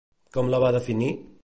Com la va definir?